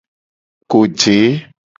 Koje.